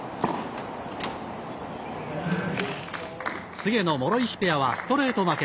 菅野・諸石ペアはストレート負け。